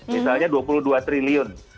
misalnya dua puluh dua triliun